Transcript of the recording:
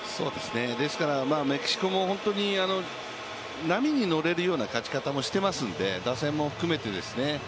ですからメキシコも本当に波に乗れるような勝ち方をしていますので打線も含めてですね。